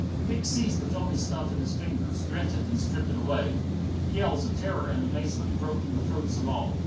Dick seized the filmy stuff in his fingers, rent it, and stripped it away. Yells of terror and amazement broke from the throats of all.